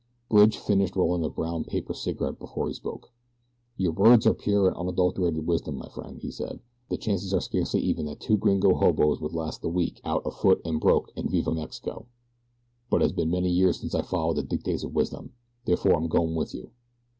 Bridge finished rolling a brown paper cigarette before he spoke. "Your words are pure and unadulterated wisdom, my friend," he said. "The chances are scarcely even that two gringo hoboes would last the week out afoot and broke in Viva Mexico; but it has been many years since I followed the dictates of wisdom. Therefore I am going with you."